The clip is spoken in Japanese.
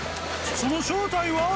その正体は？